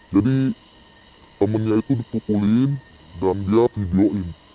jadi temannya itu dipukulin dan dia video in